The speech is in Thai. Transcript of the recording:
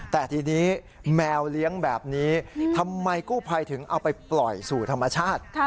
แต่ทีนี้แมวเลี้ยงแบบนี้ทำไมกู้ภัยถึงเอาไปปล่อยสู่ธรรมชาติ